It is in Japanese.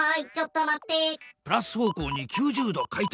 プラス方向に９０度回転。